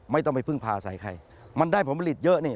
ไม่ต้องไปพึ่งพาใส่ใครมันได้ผลผลิตเยอะนี่